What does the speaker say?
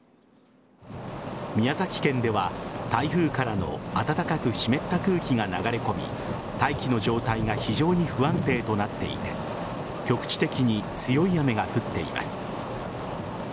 宮崎県では台風からの暖かく湿った空気が流れ込み大気の状態が非常に不安定となっていて局地的に強い雨が降っています。